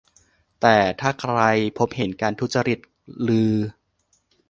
แต่ถ้าใครพบเห็นการทุจริตเลือ